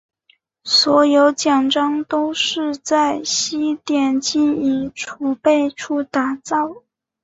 所有奖章都是在西点金银储备处打造。